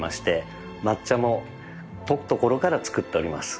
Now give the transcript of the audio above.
抹茶も溶くところから作っております。